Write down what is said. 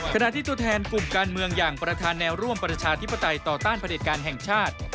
ขณะที่ตัวแทนกลุ่มการเมืองอย่างประธานแนวร่วมประชาธิปไตยต่อต้านผลิตการแห่งชาติ